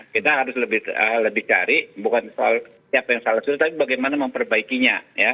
kita harus lebih cari bukan soal siapa yang salah sudah tapi bagaimana memperbaikinya